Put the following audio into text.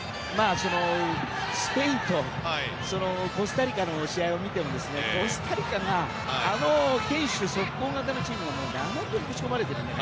スペインとコスタリカの試合を見てもコスタリカがあの堅守速攻型のチームがどんどんぶち込まれている。